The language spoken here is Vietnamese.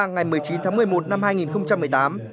ngày một mươi chín tháng một mươi một năm hai nghìn một mươi tám